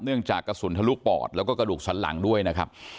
เนื่องจากกระสุนทะลุป่อดและกลุ่กสั้นหลังด้วยนะครับ